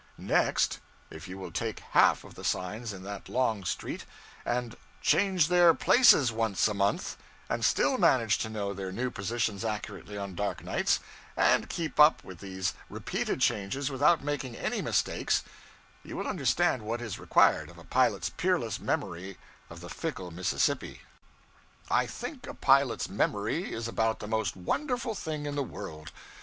Next, if you will take half of the signs in that long street, and change their places once a month, and still manage to know their new positions accurately on dark nights, and keep up with these repeated changes without making any mistakes, you will understand what is required of a pilot's peerless memory by the fickle Mississippi. I think a pilot's memory is about the most wonderful thing in the world.